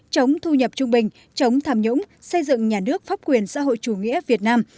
chống thu nhập trung bình chống tham nhũng xây dựng nhà nước pháp quyền xã hội chủ nghĩa việt nam